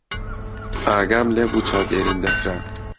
ئاگام لێ بوو چاودێریم دەکرا.